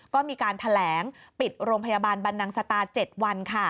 ก็มีการแถลงปิดโรงพยาบาลบรรนังสตา๗วัน